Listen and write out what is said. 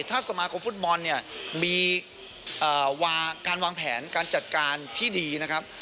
ถ้าสมาคมฟุตบอลเนี่ยมีการวางแผนการจัดการที่ดีนะครับ